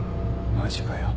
マジかよ。